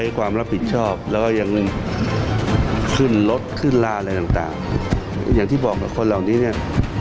ความรับผิดชอบแล้วก็ยังขึ้นรถขึ้นลาอะไรต่างต่างอย่างที่บอกกับคนเหล่านี้เนี่ย